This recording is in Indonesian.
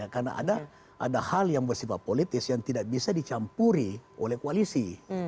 karena ada hal yang bersifat politik yang tidak bisa dicampuri oleh koalisi